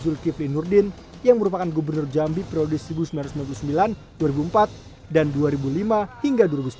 zulkifli nurdin yang merupakan gubernur jambi periode seribu sembilan ratus sembilan puluh sembilan dua ribu empat dan dua ribu lima hingga dua ribu sembilan